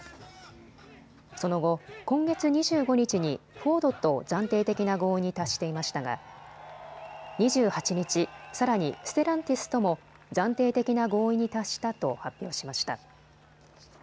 その後、今月２５日にフォードと暫定的な合意に達していましたが２８日、さらにステランティスとも暫定的な合意に達したと発表しました。